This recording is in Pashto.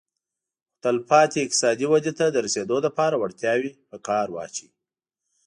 خو تلپاتې اقتصادي ودې ته د رسېدو لپاره وړتیاوې په کار واچوي